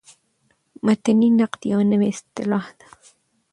متني نقد یوه نوې اصطلاح ده.